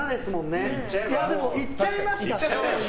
でも、いっちゃいますか。